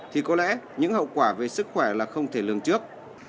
thì có lẽ những hậu quả về sức khỏe là không thể lường trước